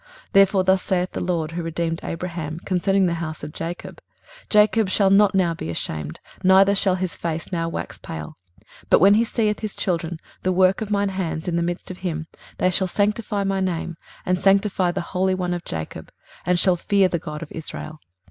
23:029:022 Therefore thus saith the LORD, who redeemed Abraham, concerning the house of Jacob, Jacob shall not now be ashamed, neither shall his face now wax pale. 23:029:023 But when he seeth his children, the work of mine hands, in the midst of him, they shall sanctify my name, and sanctify the Holy One of Jacob, and shall fear the God of Israel.